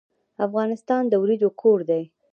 افغانستان د وریجو کور دی.